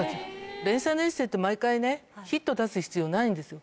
連載のエッセーって毎回ね、ヒット出す必要ないんですよ。